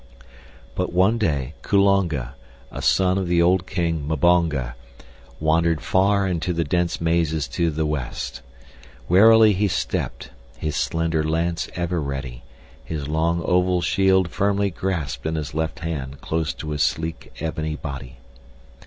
But one day, Kulonga, a son of the old king, Mbonga, wandered far into the dense mazes to the west. Warily he stepped, his slender lance ever ready, his long oval shield firmly grasped in his left hand close to his sleek ebony body.